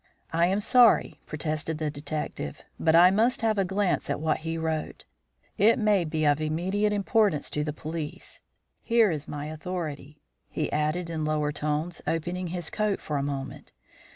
"I am sorry," protested the detective "but I must have a glance at what he wrote. It may be of immediate importance to the police. Here is my authority," he added in lower tones, opening his coat for a moment.